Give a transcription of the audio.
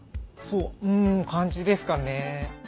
うん感じですかね。